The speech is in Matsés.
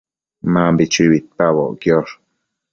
Mambi chui uidpaboc quiosh